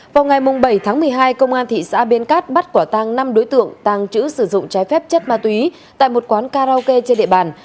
vào ngày bảy tháng một mươi hai công an thị xã biên cát bắt quả tăng năm đối tượng tàng trữ sử dụng trái phép chất ma túy tại một quán karaoke trên địa bàn